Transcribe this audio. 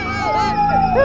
ya lagi lagi ya